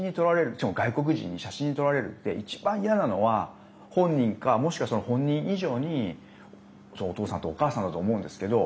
しかも外国人に写真に撮られるって一番嫌なのは本人かもしくは、その本人以上にお父さんとお母さんだと思うんですけど。